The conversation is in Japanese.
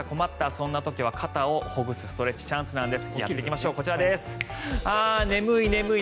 そんな時は肩をほぐすストレッチチャンスなんです。